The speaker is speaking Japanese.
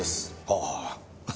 ああ。